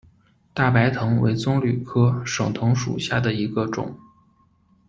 大白藤为棕榈科省藤属下的一个种。